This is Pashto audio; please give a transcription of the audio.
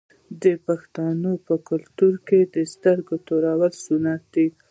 د پښتنو په کلتور کې د سترګو تورول سنت دي.